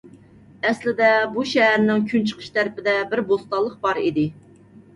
ئەسلىدە بۇ شەھەرنىڭ كۈنچىقىش تەرىپىدە بىر بوستانلىق بار ئىدى.